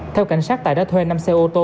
theo cảnh sát tài đã thuê năm xe ô tô